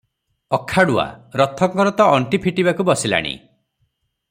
ଅଖାଡୁଆ! "ରଥଙ୍କର ତ ଅଣ୍ଟି ଫିଟିବାକୁ ବସିଲାଣି ।